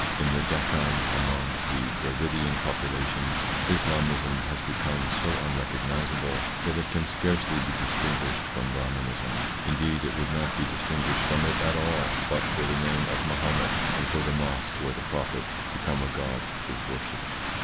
In the Deccan, among the Dravidian populations, Islamism has become so unrecognisable that it can scarcely be distinguished from Brahmanism; indeed it would not be distinguished from it at all but for the name of Mahomet, and for the mosque where the prophet, become a god, is worshipped.